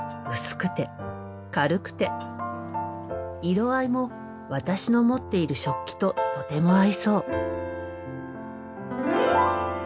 色合いも私の持っている食器ととても合いそう。